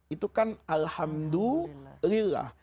itu kan alhamdulillah